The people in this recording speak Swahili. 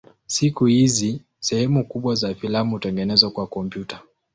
Siku hizi sehemu kubwa za filamu hutengenezwa kwa kompyuta.